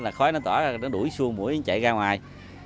là khói nó tỏa ra nó đuổi xuông mũi nó chạy ra ngoài